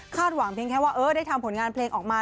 หวังเพียงแค่ว่าได้ทำผลงานเพลงออกมา